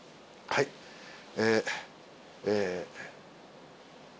「はいええ」